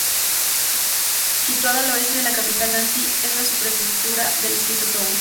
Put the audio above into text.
Situada al oeste de la capital Nancy, es la subprefectura del distrito de Toul.